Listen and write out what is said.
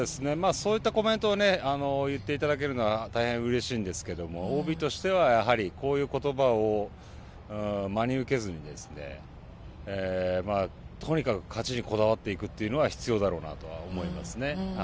そういったコメントは言っていただけるのは大変うれしいんですけれども、ＯＢとしてはやはりこういうことばを真に受けずに、とにかく勝ちにこだわっていくというのは必要だろうなとは思いますね。